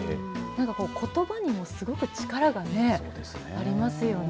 ことばにもすごく力がありますよね。